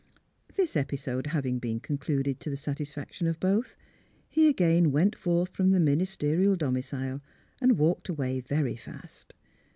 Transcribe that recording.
This episode having been concluded to the sat isfaction of both, he again went forth from the ministerial domicile and walked away very fast.